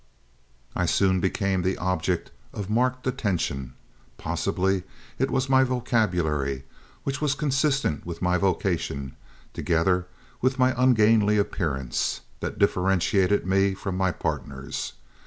I soon became the object of marked attention. Possibly it was my vocabulary, which was consistent with my vocation, together with my ungainly appearance, that differentiated me from my partners.